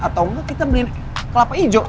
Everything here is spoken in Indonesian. atau enggak kita beli kelapa hijau